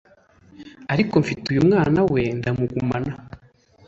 ariko mfite uyu mwana we ndamugumana.